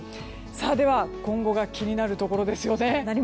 では、今後が気になるところですよね。